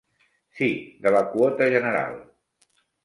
Sí, de la quota general.